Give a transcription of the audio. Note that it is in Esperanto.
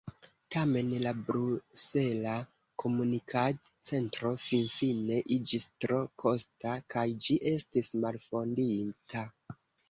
Tamen la Brusela Komunikad-Centro finfine iĝis tro kosta, kaj ĝi estis malfondita.